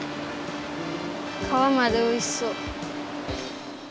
かわまでおいしそう。